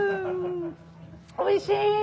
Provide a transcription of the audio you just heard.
おいしい！